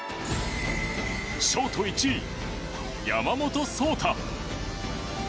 ショート１位、山本草太。